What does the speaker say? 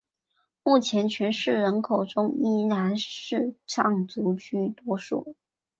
目前全市人口中依然是藏族居多数。